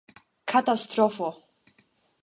Katastrofo!